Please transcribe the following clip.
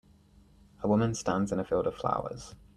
A woman stands in a field of flowers.